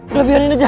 udah biarin aja